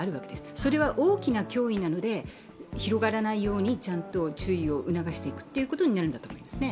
それは大きな脅威なので広がらないようにちゃんと注意を促していくことになると思います。